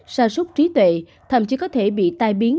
xa súc trí tuệ thậm chí có thể bị tai biến